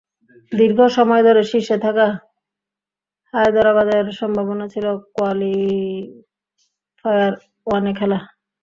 দীর্ঘ সময় ধরে শীর্ষে থাকা হায়দরাবাদের সম্ভাবনা ছিল কোয়ালিফায়ার ওয়ানে খেলা।